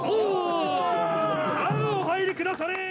さあ、お入りくだされ。